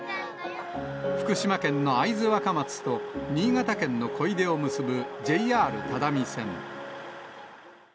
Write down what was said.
福島県の会津若松と新潟県の小出を結ぶ、ＪＲ只見線。